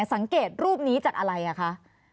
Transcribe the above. สังเกตรูปนี้จากอะไรอ่ะคะ